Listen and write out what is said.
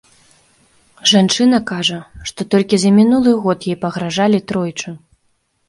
Жанчына кажа, што толькі за мінулы год ёй пагражалі тройчы.